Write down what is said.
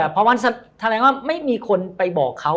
เพราะว่าแสดงว่าไม่มีคนไปบอกเขา